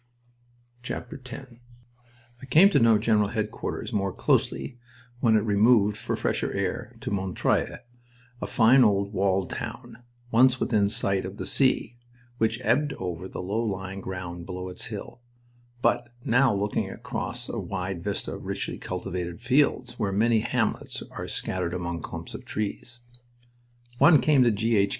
X I came to know General Headquarters more closely when it removed, for fresher air, to Montreuil, a fine old walled town, once within sight of the sea, which ebbed over the low lying ground below its hill, but now looking across a wide vista of richly cultivated fields where many hamlets are scattered among clumps of trees. One came to G. H.